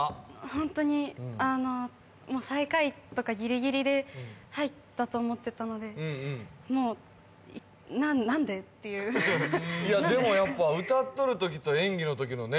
ホントにあのもう最下位とかギリギリで入ったと思ってたのでもう何でっていういやでもやっぱ歌っとるときと演技のときのね